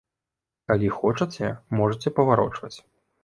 Калі хочаце, можаце паварочваць.